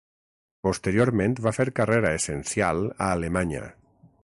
Posteriorment va fer carrera essencial a Alemanya.